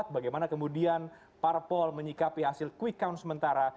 bagaimana kemudian parpol menyikapi hasil quick count sementara